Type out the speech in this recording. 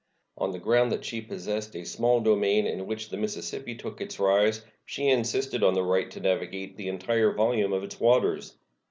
On the ground that she possessed a small domain in which the Mississippi took its rise, she insisted on the right to navigate the entire volume of its waters.